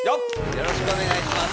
よろしくお願いします。